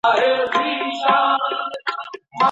ولي مدام هڅاند د لایق کس په پرتله برخلیک بدلوي؟